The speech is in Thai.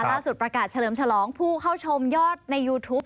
ล่าสุดประกาศเฉลิมฉลองผู้เข้าชมยอดในยูทูป